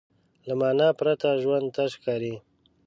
له معنی پرته ژوند تش ښکاري.